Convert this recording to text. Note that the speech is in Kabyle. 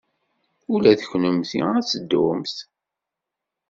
Ula d kennemti ad teddumt?